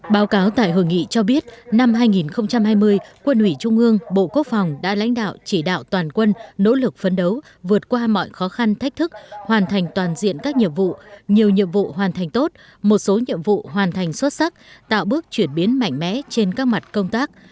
báo cáo tại hội nghị cho biết năm hai nghìn hai mươi quân ủy trung ương bộ quốc phòng đã lãnh đạo chỉ đạo toàn quân nỗ lực phấn đấu vượt qua mọi khó khăn thách thức hoàn thành toàn diện các nhiệm vụ nhiều nhiệm vụ hoàn thành tốt một số nhiệm vụ hoàn thành xuất sắc tạo bước chuyển biến mạnh mẽ trên các mặt công tác